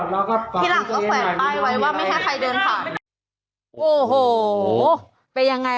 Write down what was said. พี่หลังก็แวะใต้ไว้ไม่ให้ใครเดินผ่าน